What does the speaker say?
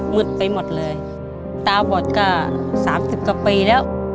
ไปหมดเลยตาบอดก็๓๐กว่าปีแล้ว